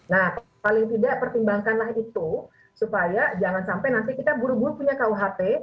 nah paling tidak pertimbangkanlah itu supaya jangan sampai nanti kita buru buru punya kuhp